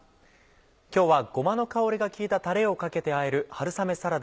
今日はごまの香りが効いたたれをかけてあえる春雨サラダ